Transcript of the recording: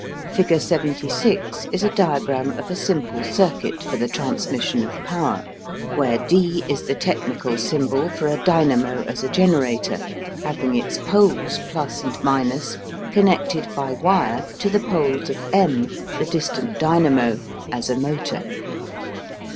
Figure 76 is a diagram of a simple circuit for the transmission of power, where D is the technical symbol for a dynamo as a generator, having its poles (+ and ) connected by wire to the poles of M, the distant dynamo, as a motor.